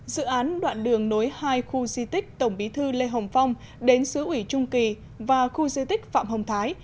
dự án đoạn đường nối hai khu di tích tổng bí thư lê hồng phong đến sứ ủy trung kỳ và khu di tích phạm hồng thái